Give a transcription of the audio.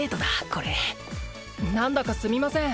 これ何だかすみません